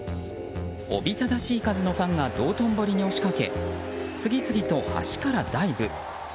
おびただしい数のファンが道頓堀に押し掛け次々と、橋からダイブ。